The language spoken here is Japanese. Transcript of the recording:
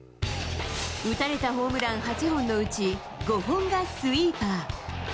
打たれたホームラン８本のうち５本がスイーパー。